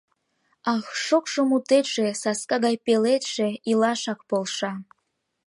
Ах, шокшо мутетше, Саска гай пеледше, Илашак полша!